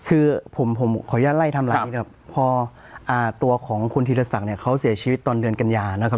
อืมคือผมขออนุญาต์ไล่ทำอะไรครับพอตัวของคุณธิรสังเขาเสร็จชีวิตตอนเดือนกันยานะครับ